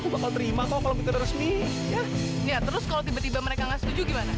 sampai jumpa di video selanjutnya